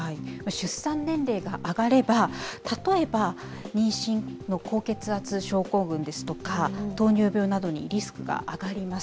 出産年齢が上がれば、例えば妊娠の高血圧症候群ですとか、糖尿病などのリスクが上がります。